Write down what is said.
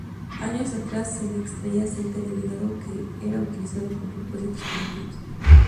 Años atrás se le extraía aceite del hígado, que era utilizado con propósitos curativos.